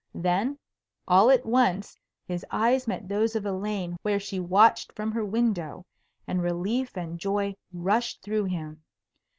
Then all at once his eyes met those of Elaine where she watched from her window, and relief and joy rushed through him.